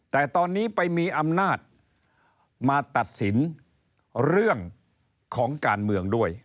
แต่ตอนนี้ไปมีอำนาจมาตัดสินเรื่องของการเมืองด้วย